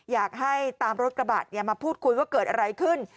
อยากให้ตามรถกระบะมาพูดคุยว่าเกิดอะไรขึ้น